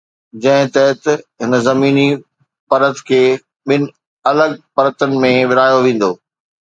جنهن تحت هن زميني پرت کي ٻن الڳ پرتن ۾ ورهايو ويندو.